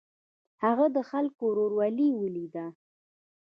هغه د خلکو ورورولي ولیده.